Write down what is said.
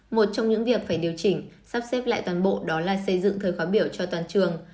một trong những việc phải điều chỉnh sắp xếp lại toàn bộ đó là xây dựng thời khóa biểu cho toàn trường